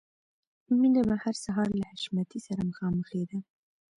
مینه به هر سهار له حشمتي سره مخامخېده